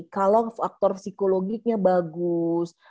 kalau faktor psikologiknya bagus